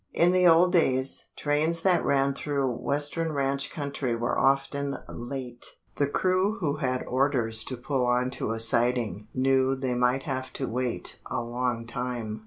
In the old days, trains that ran through western ranch country were often late. The crew who had orders to pull onto a siding knew they might have to wait a long time.